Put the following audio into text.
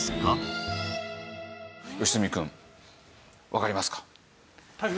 良純くんわかりますか？